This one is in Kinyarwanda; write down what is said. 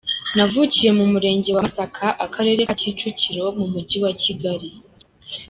Navukiye mu murenge wa Masaka, Akarere ka Kicukiro mu mujyi wa Kigali.